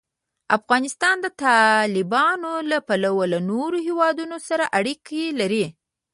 افغانستان د تالابونه له پلوه له نورو هېوادونو سره اړیکې لري.